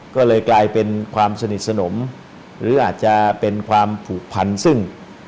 ก็เลยกลายเป็นความสนิทสนมหรืออาจจะเป็นความผูกพันซึ่ง